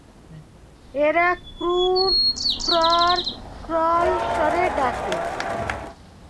এরা "ক্রুরর-ক্ররর-ক্রররল" স্বরে ডাকে।